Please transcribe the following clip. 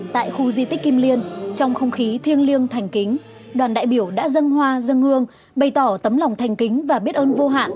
tại khu di tích kim liên trong không khí thiêng liêng thành kính đoàn đại biểu đã dân hoa dân hương bày tỏ tấm lòng thành kính và biết ơn vô hạn